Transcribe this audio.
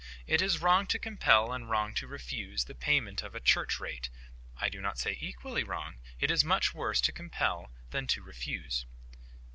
It is wrong to compel, and wrong to refuse, the payment of a church rate. I do not say equally wrong: it is much worse to compel than to refuse."